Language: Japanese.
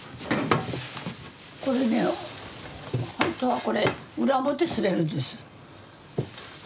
これね本当はこれ裏表刷れるんです。